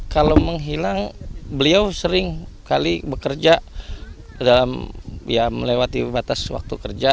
kalau menghilang beliau seringkali bekerja dalam ya melewati batas waktu kerja